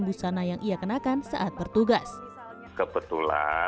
busana yang ia kenakan saat bertugas kebetulan istri saya menerima pandemi covid sembilan belas di indonesia